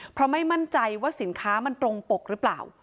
เพราะไม่มั่นใจว่าสินค้ามันตรงปกหรือเปล่า